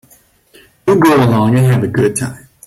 You go along and have a good time.